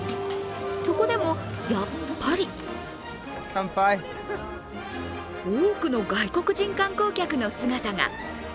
そこでも、やっぱり多くの外国人観光客の姿が。